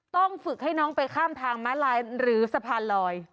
ต้องฝึกให้น้องไปข้ามทางม้าลายหรือสะพานลอย